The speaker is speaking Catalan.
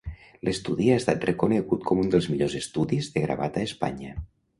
L'estudi ha estat reconegut com un dels millors estudis de gravat a Espanya.